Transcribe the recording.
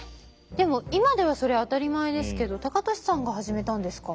でも今ではそれ当たり前ですけど高利さんが始めたんですか？